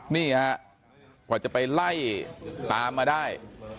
นี่ฮะกว่าจะไปไล่ตามมาได้